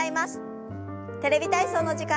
「テレビ体操」の時間です。